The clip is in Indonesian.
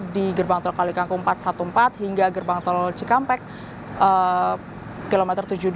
di gerbang tol kalikangku empat ratus empat belas hingga gerbang tol cikampek kilometer tujuh puluh dua